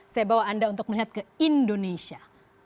saya bawa anda untuk melihat ke indonesia